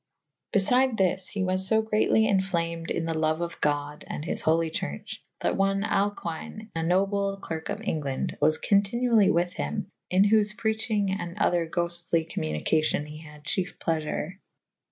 Befyde this / he was fo greatly enflamed in the loue of god and his holy church, that one Alcuine a noble clerk of England was continually with hym / in whofe preachynge and other goftely com municacion he had a chiefe pleafure.